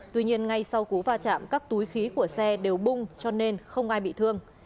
tuy nhiên ngay sau cú va chạm các túi khí của xe đều bung cho nên không ai bị thương